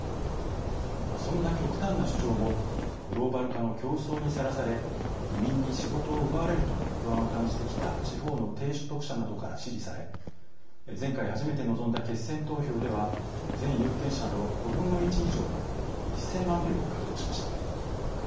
そんな極端な主張もグローバル化の競争にさらされ移民に仕事を奪われると不安を感じてきた地方の低所得者などから支持され前回初めて臨んだ決選投票では全有権者の５分の１以上の１０００万票を獲得しました。